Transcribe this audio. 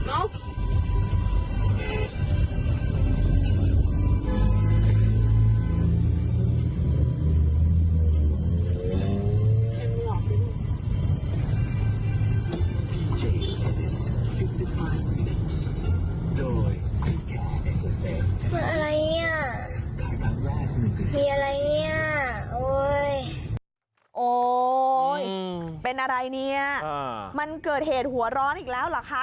โอ้โหเป็นอะไรเนี่ยมันเกิดเหตุหัวร้อนอีกแล้วเหรอคะ